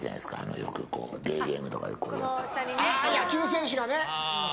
野球選手がね。